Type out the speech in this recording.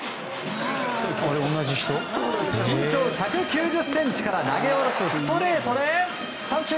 身長１９０ｃｍから投げ下ろすストレートで三振。